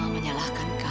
mama menyalahkan kamu